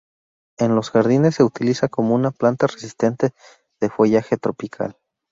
En los jardines se utiliza como una planta resistente de follaje tropical.